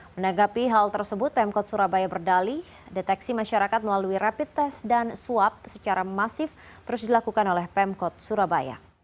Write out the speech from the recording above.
menanggapi hal tersebut pemkot surabaya berdali deteksi masyarakat melalui rapid test dan swab secara masif terus dilakukan oleh pemkot surabaya